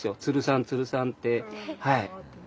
鶴さん鶴さんってはい。